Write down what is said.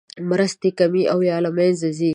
مرستې کمې او یا له مینځه ځي.